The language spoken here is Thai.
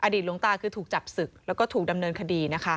หลวงตาคือถูกจับศึกแล้วก็ถูกดำเนินคดีนะคะ